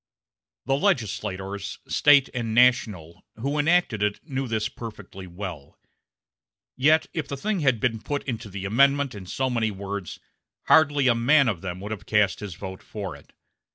The legislators, State and national, who enacted it knew this perfectly well; yet if the thing had been put into the Amendment in so many words, hardly a man of them would have cast his vote for it.